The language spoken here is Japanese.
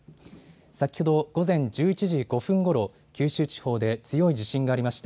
先ほど午前１１時５分ごろ、九州地方で強い地震がありました。